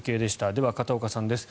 では、片岡さんです。